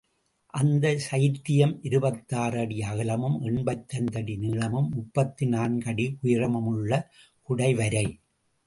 அந்த சைத்தியம் இருபத்தாறு அடி அகலமும் எண்பத்தைந்து அடி நீளமும் முப்பத்து நான்கு அடி உயரமும் உள்ள குடைவரை.